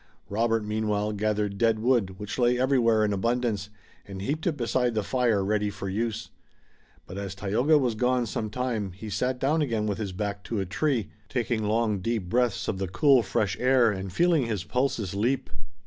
Robert meanwhile gathered dead wood which lay everywhere in abundance, and heaped it beside the fire ready for use. But as Tayoga was gone some time he sat down again with his back to a tree, taking long deep breaths of the cool fresh air, and feeling his pulses leap.